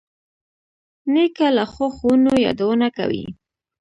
نیکه له ښو ښوونو یادونه کوي.